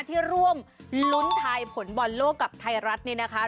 ที่ร่วมลุ้นทายผลบอลโลกกับไทยรัฐนี่นะคะ